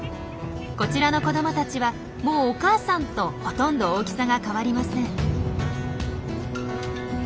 こちらの子どもたちはもうお母さんとほとんど大きさが変わりません。